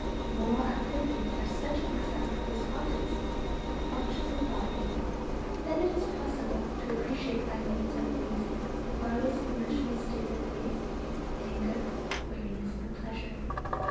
Moral activities have such an exact correspondence with the functions of the body that it is possible to appreciate by means of these the various emotional states of grief, anger, weariness, and pleasure.